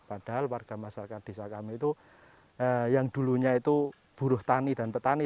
padahal warga masyarakat desa kami itu yang dulunya itu buruh tani dan petani